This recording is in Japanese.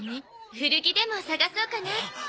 古着でも探そうかなって。